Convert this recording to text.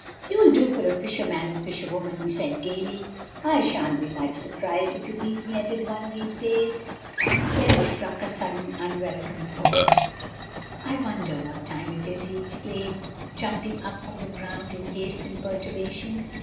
"You'll do for a fisherman or fisherwoman," he said gayly. "I sha'n't be much surprised if you beat me at it one o' these days." Then struck with a sudden unwelcome thought, "I wonder what time it is!" he exclaimed, jumping up from the ground in haste and perturbation.